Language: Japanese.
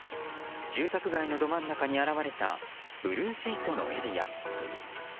住宅街のど真ん中に現れたブルーシートのエリア。